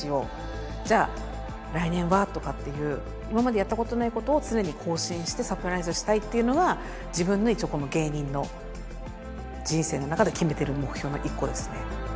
じゃあ来年はとかっていう今までやったことないことを常に更新してサプライズしたいっていうのが自分の一応芸人の人生の中で決めてる目標の１個ですね。